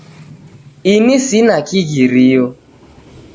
Ini sina kighirio